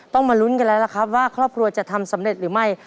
มาลุ้นกันแล้วล่ะครับว่าครอบครัวจะทำสำเร็จหรือไม่